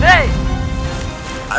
ada apa kesana